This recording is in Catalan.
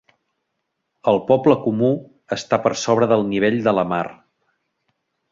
El poble comú està per sobre del nivell de la mar.